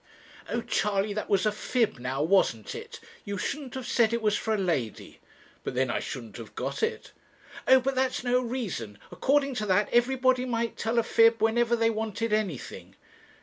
'Oh, Charley, that was a fib now wasn't it? You shouldn't have said it was for a lady.' 'But then I shouldn't have got it.' 'Oh, but that's no reason; according to that everybody might tell a fib whenever they wanted anything.'